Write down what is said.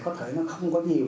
có thể nó không có nhiều